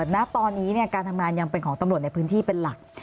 ณตอนนี้การทำงานยังเป็นของตำรวจในพื้นที่เป็นหลัก